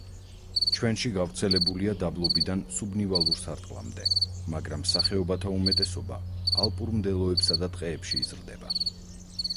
ჩვენში გავრცელებულია დაბლობიდან სუბნივალურ სარტყლამდე, მაგრამ სახეობათა უმეტესობა ალპურ მდელოებსა და ტყეებში იზრდება.